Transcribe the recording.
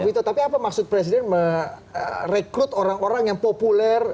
wito tapi apa maksud presiden merekrut orang orang yang populer